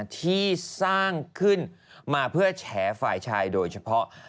ที่สร้างขึ้นมาเพื่อแฉฝ่ายชายโดยเฉพาะ